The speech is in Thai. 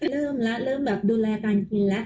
เริ่มแล้วเริ่มแบบดูแลการกินแล้ว